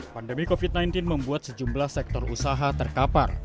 pandemi covid sembilan belas membuat sejumlah sektor usaha terkapar